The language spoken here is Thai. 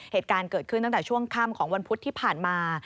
เหตุการณ์เกิดขึ้นตั้งแต่ช่วงค่ำของวันพุธที่ผ่านมา